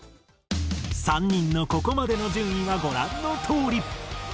３人のここまでの順位はご覧のとおり。